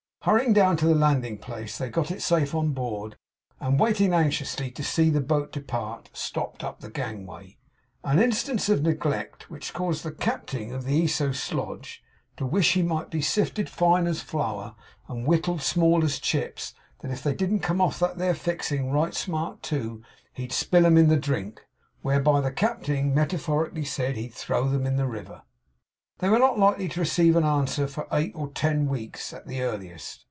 Hurrying down to the landing place, they got it safe on board; and waiting anxiously to see the boat depart, stopped up the gangway; an instance of neglect which caused the 'Capting' of the Esau Slodge to 'wish he might be sifted fine as flour, and whittled small as chips; that if they didn't come off that there fixing right smart too, he'd spill 'em in the drink;' whereby the Capting metaphorically said he'd throw them in the river. They were not likely to receive an answer for eight or ten weeks at the earliest.